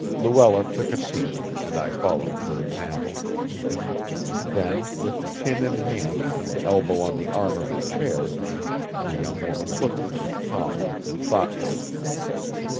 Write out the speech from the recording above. Luella took a seat, and I followed her example. Then, with chin in hand and elbow on the arm of her chair, the young woman looked at me calmly and thoughtfully.